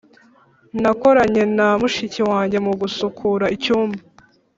nakoranye na mushiki wanjye mu gusukura icyumba.